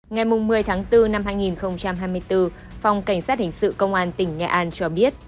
ngày một mươi tháng bốn năm hai nghìn hai mươi bốn phòng cảnh sát hình sự công an tỉnh nghệ an cho biết